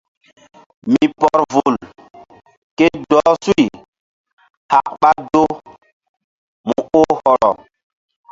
Mi pɔr vul ke dɔh suy hak ɓa doh mu oh hɔrɔ.